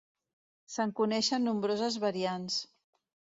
Se'n coneixen nombroses variants.